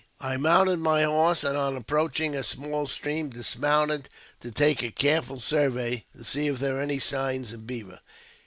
I mounted my horse, and, on approaching a small stream, dismounted to take a careful survey, to see if there were any signs of beaver.